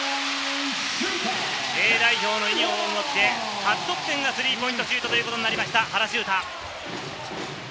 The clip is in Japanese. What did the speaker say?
Ａ代表のユニホームを着て初得点がスリーポイントシュートということになりました、原修太。